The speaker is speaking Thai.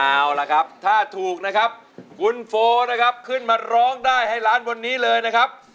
เอาล่ะครับถ้าถูกนะครับคุณโฟนะครับขึ้นมาร้องได้ให้ล้านวันนี้เลยนะครับ